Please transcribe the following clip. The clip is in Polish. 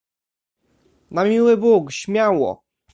"Na miły Bóg, śmiało!"